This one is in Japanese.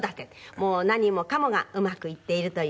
もう何もかもがうまくいっているという。